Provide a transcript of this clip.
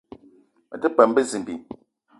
Me te peum bezimbi